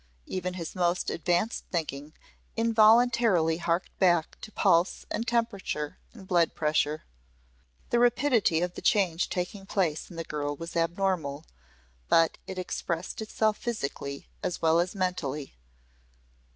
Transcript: Even his most advanced thinking involuntarily harked back to pulse and temperature and blood pressure. The rapidity of the change taking place in the girl was abnormal, but it expressed itself physically as well as mentally.